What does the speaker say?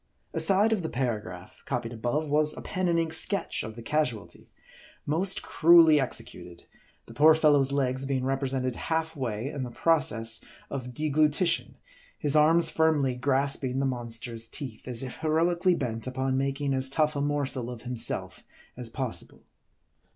Aside of the paragraph, copied above, was a pen and ink sketch of the casualty, most cruelly executed ; the poor fellow's legs being represented half way in the process of deglutition ; his arms firmly grasping the monster's teeth, as if heroically bent upon making as tough a morsel of him self as possible.